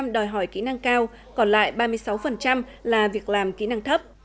một mươi đòi hỏi kỹ năng cao còn lại ba mươi sáu là việc làm kỹ năng thấp